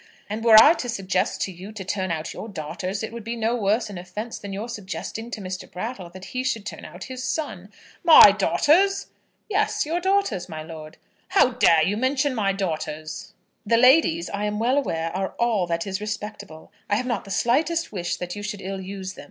And were I to suggest to you to turn out your daughters, it would be no worse an offence than your suggesting to Mr. Brattle that he should turn out his son." "My daughters!" "Yes, your daughters, my lord." "How dare you mention my daughters?" [Illustration: "How dare you mention my daughters?"] "The ladies, I am well aware, are all that is respectable. I have not the slightest wish that you should ill use them.